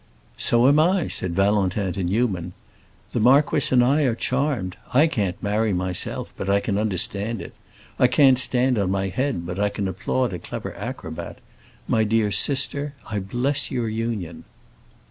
"So am I," said Valentin to Newman. "The marquis and I are charmed. I can't marry, myself, but I can understand it. I can't stand on my head, but I can applaud a clever acrobat. My dear sister, I bless your union."